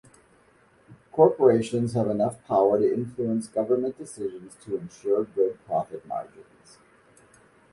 Corporations have enough power to influence government decisions to ensure good profit margins.